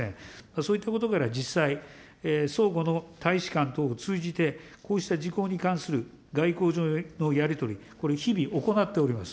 そういったことから、実際、相互の大使館等を通じて、こうした事項に関する外交上のやり取り、これ、日々行っております。